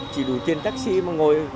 chỉ đủ tiền taxi mà ngồi